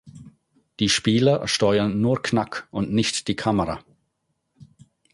Die Spieler steuern nur Knack und nicht die Kamera.